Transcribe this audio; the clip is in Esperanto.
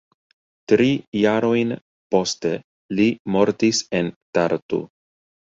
Tri jarojn poste li mortis en Tartu.